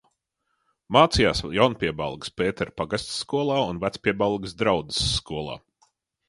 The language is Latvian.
Mācījās Jaunpiebalgas Pētera pagastskolā un Vecpiebalgas draudzes skolā.